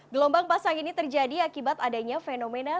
gelombang pasang ini terjadi akibat adanya fenomena